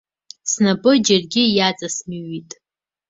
Снапы џьаргьы иаҵасымҩит.